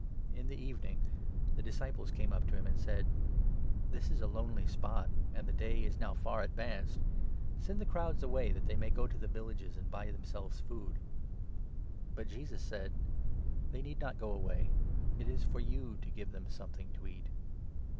In the evening the disciples came up to him, and said :" This is a lonely spot, and the day is now far advanced ; send the crowds away, that they may go to the villages, and buy themselves food. But Jesus said : "They need not go away, it is for you to give them something to eat."